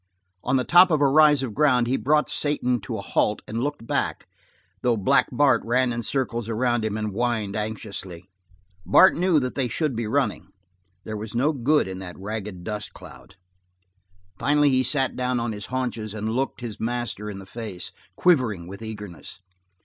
On the top of a rise of ground he brought Satan to a halt and looked back, though Black Bart ran in a circle around him, and whined anxiously. Bart knew that they should be running; there was no good in that ragged dust cloud. Finally he sat down on his haunches and looked his master in the face, quivering with eagerness.